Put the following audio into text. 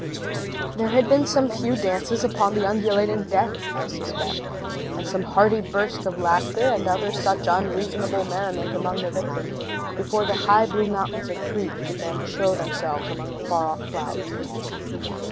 There had been some few dances upon the undulating deck, I suspect, and some hearty bursts of laughter, and other such unseasonable merriment among the victims, before the high blue mountains of Crete began to show themselves among the far off clouds.